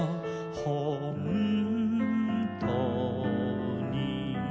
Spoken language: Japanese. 「ほんとうに」